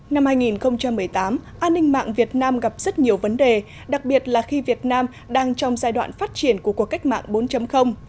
năm hai nghìn một mươi tám an ninh mạng việt nam gặp rất nhiều vấn đề đặc biệt là khi việt nam đang trong giai đoạn phát triển của cuộc cách mạng bốn